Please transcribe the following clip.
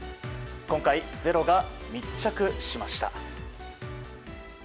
今回「ｚｅｒｏ」が密着しました。